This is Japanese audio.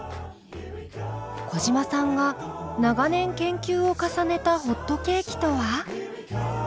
小嶋さんが長年研究を重ねたホットケーキとは？